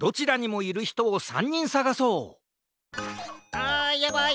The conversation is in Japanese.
あやばい！